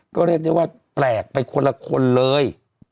ก็เรียกได้ว่าแปลกไปคนละคนเลย